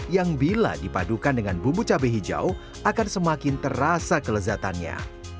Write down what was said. yang bila dipadukan dengan bumbu cabai hijau akan semakin terasa kelezatannya